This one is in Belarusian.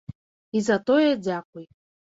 І за тое дзякуй.